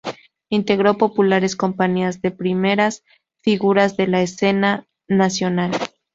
Integro populares compañías de primeras figuras de la escena nacional.